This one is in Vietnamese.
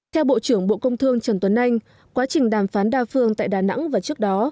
theo bộ trưởng bộ công thương trần tuấn anh quá trình đàm phán đa phương tại đà nẵng và trước đó